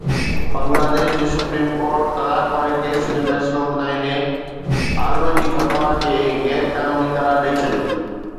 بنگلاديش جي supreme court طلاق واري ڪيس جو فيصلو ٻڌائيندي عالمن جي فتويٰ کي غير قانوني قرار ڏئي ڇڏيو